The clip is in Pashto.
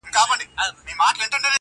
کارګه نه وو په خپل ژوند کي چا ستایلی.!